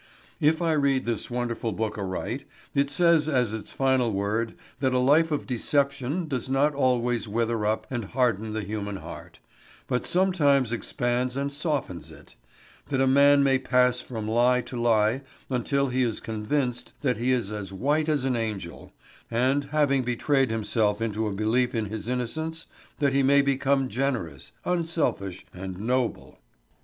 If I read this wonderful book aright, it says as its final word that a life of deception does not always wither up and harden the human heart, but sometimes expands and softens it; that a man may pass from lie to lie until he is convinced that he is as white as an angel, and, having betrayed himself into a belief in his innocence, that he may become generous, unselfish, and noble.